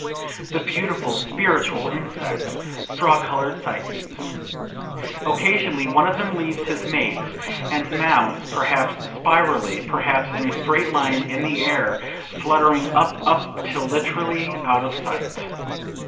The beautiful, spiritual insects! straw color'd Psyches! Occasionally one of them leaves his mates, and mounts, perhaps spirally, perhaps in a straight line in the air, fluttering up, up, till literally out of sight.